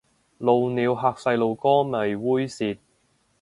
露鳥嚇細路哥咪猥褻